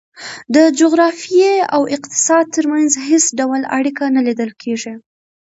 د جغرافیې او اقتصاد ترمنځ هېڅ ډول اړیکه نه لیدل کېږي.